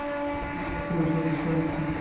তিনিই ছিলেন স্বর্গের সেনাপতি।